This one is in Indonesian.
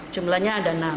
jumlahnya ada enam